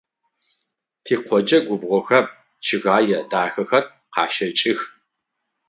Тикъоджэ губгъохэм чъыгэе дахэхэр къащэкӏых.